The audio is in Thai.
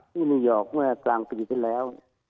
ที่นี่เยอกเมื่อกลางปีที่แล้ว